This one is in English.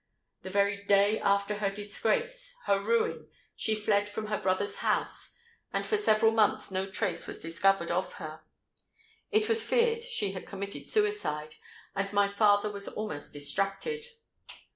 The very day after her disgrace—her ruin, she fled from her brother's house; and for several months no trace was discovered of her. It was feared she had committed suicide; and my father was almost distracted.